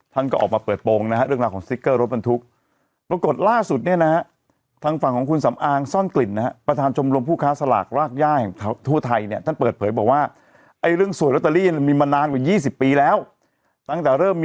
ท่านก็ออกมาเปิดโปรงนะฮะเรื่องราคาของสติ๊กเกอร์รถบรรทุก